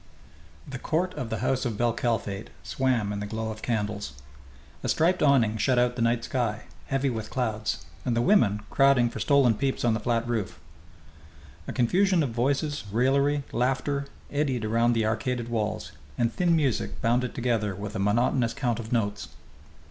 The court of the house of bel Kalfate swam in the glow of candles. A striped awning shut out the night sky, heavy with clouds, and the women, crowding for stolen peeps on the flat roof. A confusion of voices, raillery, laughter, eddied around the arcaded walls, and thin music bound it together with a monotonous count of notes.